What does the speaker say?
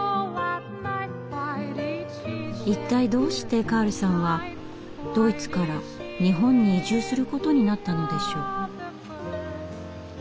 一体どうしてカールさんはドイツから日本に移住することになったのでしょう？